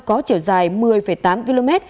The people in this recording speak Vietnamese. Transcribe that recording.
có chiều dài một mươi tám km